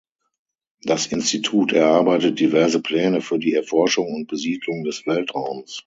Das Institut erarbeitet diverse Pläne für die Erforschung und Besiedlung des Weltraums.